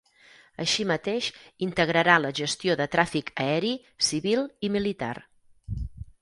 Així mateix, integrarà la gestió de tràfic aeri civil i militar.